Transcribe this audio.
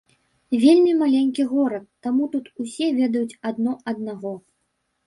Вельмі маленькі горад, таму тут усе ведаюць адно аднаго.